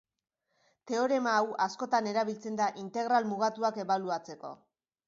Teorema hau askotan erabiltzen da integral mugatuak ebaluatzeko.